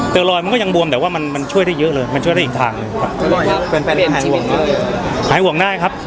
เตอรอยมันก็ยังบวมแต่ว่ามันมันช่วยได้เยอะเลยมันช่วยได้อีกทางเลยค่ะหายห่วงได้ครับ